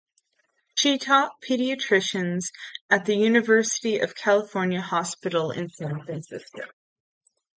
She taught pediatrics at the University of California hospital in San Francisco.